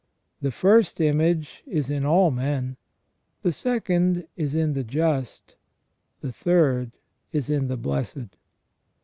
The first image is in all men ; the second is in the just; the third is in the blessed."